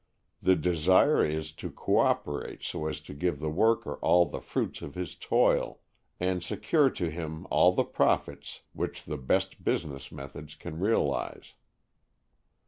The desire is to co operate so as to give the worker all the fruits of his toil, and secure to him all the profits which the best business methods can realize.